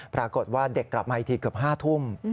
ปรากฏว่าเด็กกลับมาอีกทีเกือบ๕ทุ่ม